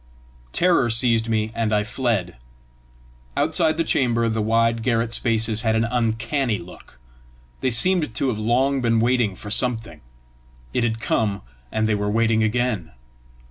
Terror seized me, and I fled. Outside the chamber the wide garret spaces had an UNCANNY look. They seemed to have long been waiting for something; it had come, and they were waiting again!